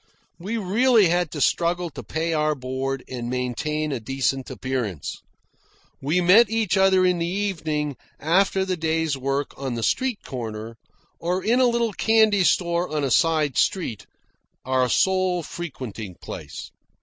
We really had to struggle to pay our board and maintain a decent appearance. We met each other in the evening, after the day's work, on the street corner, or in a little candy store on a side street, our sole frequenting place.